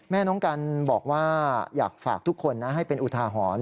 แม่น้องกันบอกว่าอยากฝากทุกคนนะให้เป็นอุทาหรณ์